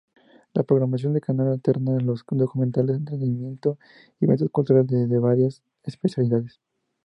La programación del canal alterna los documentales, entretenimiento y eventos culturales desde varias especialidades.